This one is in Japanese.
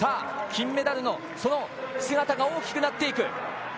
金メダルの姿が大きくなっていく。